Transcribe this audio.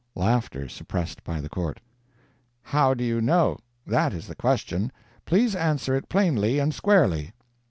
(Laughter, suppressed by the court.) "How do you know? That is the question. Please answer it plainly and squarely."